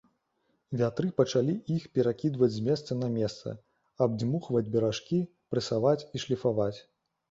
Вятры пачалі іх перакідваць з месца на месца, абдзьмухваць беражкі, прэсаваць і шліфаваць.